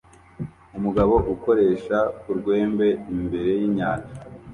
Umugabo ukoresha urwembe imbere yinyanja